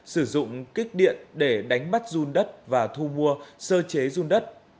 sử dụng kích điện để đánh bắt dung đất và thu mua sơ chế dung đất